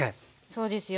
そうですよね。